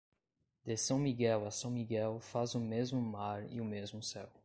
De São Miguel a São Miguel faz o mesmo mar e o mesmo céu.